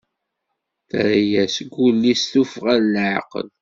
Terra-as Guli s tufɣa n laɛqel.